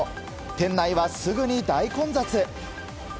店内はすぐに大混雑。